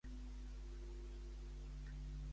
Cada quant de temps diu que s'expulsa a algú de casa seva?